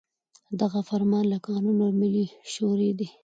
دغه فرمان له قانون او د ملي شـوري د